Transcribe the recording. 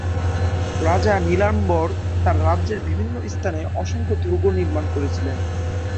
রাজা নীলাম্বর তার রাজ্যের বিভিন্ন স্থানে অসংখ্য দূর্গ নির্মাণ করেছিলেন।